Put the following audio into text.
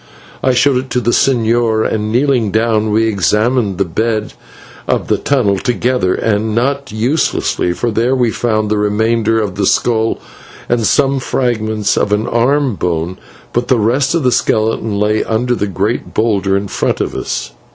I showed it to the señor, and, kneeling down, we examined the bed of the tunnel together, and not uselessly, for there we found the remainder of the skull and some fragments of an arm bone, but the rest of the skeleton lay under the great boulder in front of us.